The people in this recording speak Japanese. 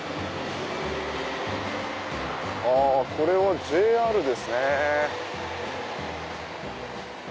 これはＪＲですね。